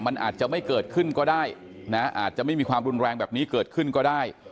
มันอาจจะไม่เกิดขึ้นก็ได้นะอาจจะไม่มีความรุนแรงแบบนี้เกิดขึ้นก็ได้